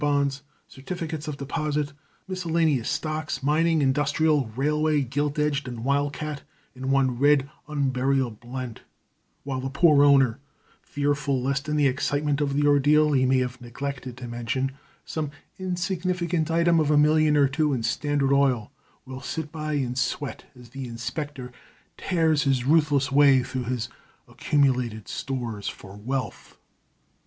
bonds, certificates of deposit, miscellaneous stocks, mining, industrial, railway, gilt edged and wildcat, in one red unburial blent; while the poor owner, fearful lest in the excitement of the ordeal he may have neglected to mention some insignificant item of a million or two in Standard Oil, will sit by and sweat as the inspector tears his ruthless way through his accumulated stores for wealth."